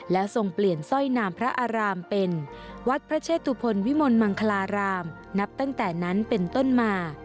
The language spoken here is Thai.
และทรงเปลี่ยนสร้อยนามพระอารามเป็นวัดพระเชศุพรวิมนต์มังคลาราม